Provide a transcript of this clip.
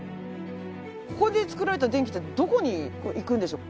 ここでつくられた電気ってどこに行くんでしょう？